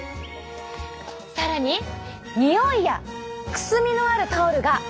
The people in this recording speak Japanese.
更ににおいやくすみのあるタオルが。